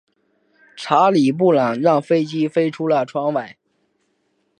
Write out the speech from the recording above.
查理布朗让飞机飞出了窗外。